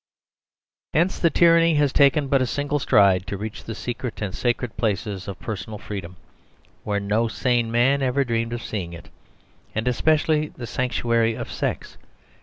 Hence the tyranny has taken but a single stride to reach the secret and sacred places of personal freedom, where no sane man ever dreamed of seeing it; and especially the sanctuary of sex.